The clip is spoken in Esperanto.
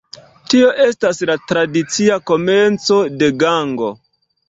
Tio estas la tradicia komenco de Gango.